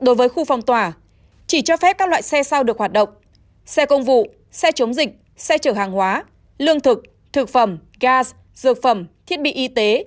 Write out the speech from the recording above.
đối với khu phong tỏa chỉ cho phép các loại xe sau được hoạt động xe công vụ xe chống dịch xe chở hàng hóa lương thực thực phẩm gaz dược phẩm thiết bị y tế